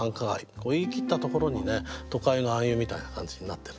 こう言い切ったところにね都会の暗喩みたいな感じになってる。